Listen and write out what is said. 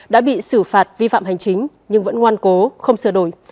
đã bị xử phạt vi phạm hành chính nhưng vẫn ngoan cố không sửa đổi